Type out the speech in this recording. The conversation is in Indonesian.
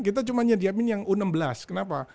kita cuman nyedihamin yang u enam belas kenapa